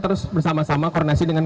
kerja bisa dicapai pada juli mendatang